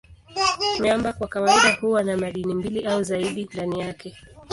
Miamba kwa kawaida huwa na madini mbili au zaidi ndani yake.